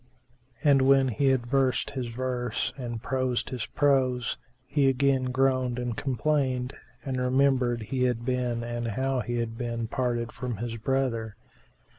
And when he had versed his verse and had prosed his prose, he again groaned and complained and remembered he had been and how he had been parted from his brother.